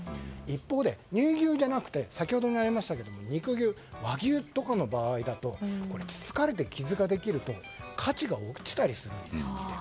一方で乳牛じゃなくて肉牛、和牛とかの場合だとつつかれて傷ができると価値が落ちたりするんですって。